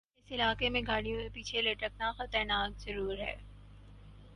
اس علاقے میں گاڑیوں کے پیچھے لٹکنا خطرناک ضرور ہے